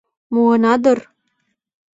Муына дыр?